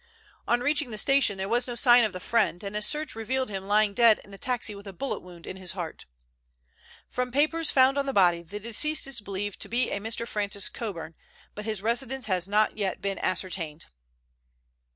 On reaching the station there was no sign of the friend, and a search revealed him lying dead in the taxi with a bullet wound in his heart. From papers found on the body the deceased is believed to be a Mr. Francis Coburn, but his residence has not yet been ascertained."